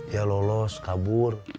ya lolos kabur